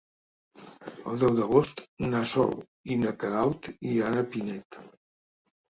El deu d'agost na Sol i na Queralt iran a Pinet.